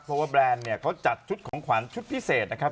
เพราะว่าแบรนด์เนี่ยเขาจัดชุดของขวัญชุดพิเศษนะครับ